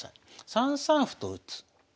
３三歩と打つ。